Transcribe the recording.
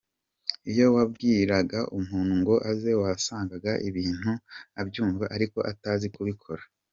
Iyo wabwiraga umuntu ngo aze wasangaga ibintu abyumva ariko atazi kubikora.